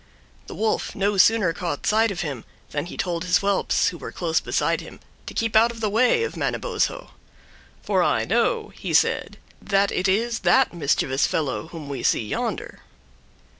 The Wolf no Sooner caught sight of him than he told his whelps, who were close beside him, to keep out of the way of Manabozho, "For I know," he said, "that it is that mischievous fellow whom we see yonder."